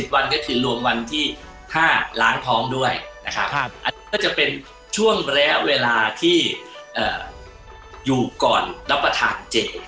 วันก็คือรวมวันที่๕ล้างท้องด้วยนะครับอันนี้ก็จะเป็นช่วงระยะเวลาที่อยู่ก่อนรับประทาน๗